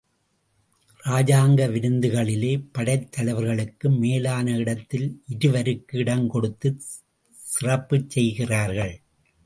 ராஜாங்க விருந்துகளிலே, படைத் தலைவர்களுக்கும், மேலான இடத்தில் இவருக்கு இடங்கொடுத்துச் சிறப்புச் செய்கிறார்கள்.